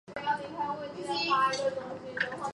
诺盖语是一个俄罗斯西南部的突厥语言。